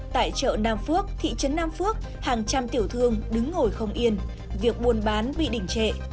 tại chợ nam phước thị trấn nam phước hàng trăm tiểu thương đứng ngồi không yên việc buôn bán bị đỉnh trệ